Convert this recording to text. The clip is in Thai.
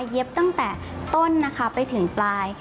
ตั้งแต่ต้นนะคะไปถึงปลาย